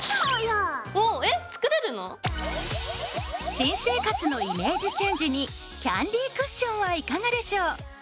新生活のイメージチェンジにキャンディークッションはいかがでしょう？